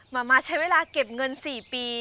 มาใช้เวลาเก็บเงิน๔ปี